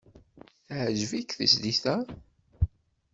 Teɛjeb-ik tezlit-a?